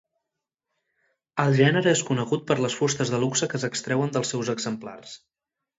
El gènere és conegut per les fustes de luxe que s'extreuen dels seus exemplars.